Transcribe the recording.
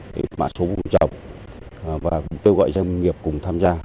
cái mã số vùng trồng và kêu gọi doanh nghiệp cùng tham gia